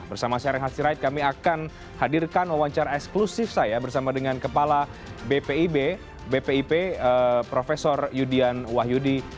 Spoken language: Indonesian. bersama saya renghati raid kami akan hadirkan wawancara eksklusif saya bersama dengan kepala bpip prof yudian wahyudi